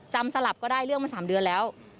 สลับก็ได้เรื่องมา๓เดือนแล้ว